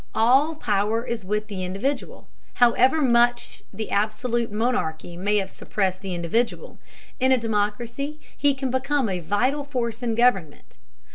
All power is with the individual. However much the absolute monarchy may have suppressed the individual, in a democracy he can become a vital force in government.